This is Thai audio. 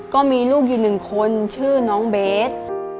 ก็มีลูกอยู่หนึ่งคนชื่อน้องเบส